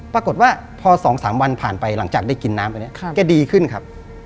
ปรากฏว่าพอ๒๓วันผ่านไปหลังจากได้กินน้ำไปเนี่ยแกดีขึ้นครับ